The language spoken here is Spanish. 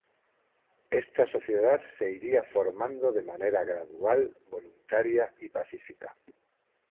Esta sociedad se iría formando de manera gradual, voluntaria y pacífica.